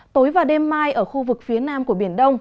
tối và đêm mai ở khu vực phía nam của biển đông